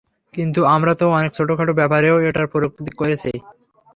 কিন্তু আমরা তো অনেক ছোটখাটো ব্যাপারেও এটার প্রয়োগ করেছি।